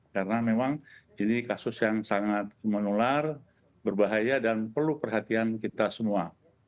karena memang ini kasus yang sangat menular berbahaya dan perlu perhatian kita semua